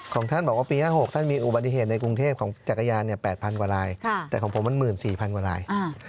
ของท่านบอกว่าปี๕๖ท่านมีอุบัติเหตุในกรุงเทพฯของจักรยาน๘๐๐๐กว่าลาย